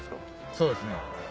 そうですね。